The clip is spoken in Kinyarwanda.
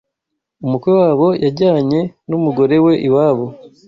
Umukwe wabo yajyanye n’umugore we iwabo